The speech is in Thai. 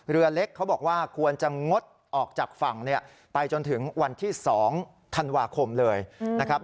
เรือเล็กเขาบอกว่าควรจะงดออกจากฝั่งไปจนถึงวันที่๒ธันวาคมเลยนะครับ